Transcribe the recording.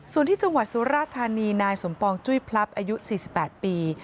ส่วนที่จังหวัดสุราธานีนายสมปองจุ้ยพลับอายุ๔๘ปี